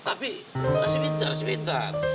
tapi masih pintar masih pintar